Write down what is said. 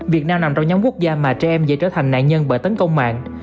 việt nam nằm trong nhóm quốc gia mà trẻ em dễ trở thành nạn nhân bởi tấn công mạng